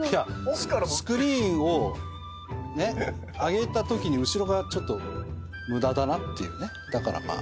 スクリーンを上げたときに後ろがちょっと無駄だなっていうねだからまあ。